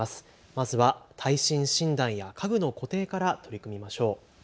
まずは耐震診断や家具の固定から取り組みましょう。